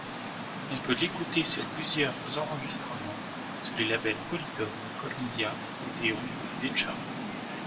On peut l'écouter sur plusieurs enregistrements sous les labels Polydor, Columbia, Odéon et Decca.